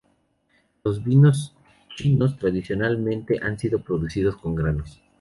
Los vinos chinos tradicionalmente han sido producidos con granos.